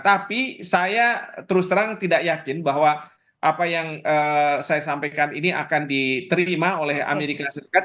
tapi saya terus terang tidak yakin bahwa apa yang saya sampaikan ini akan diterima oleh amerika serikat